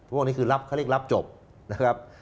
พวกนี้คือรับเขาเรียกรับจบนะครับ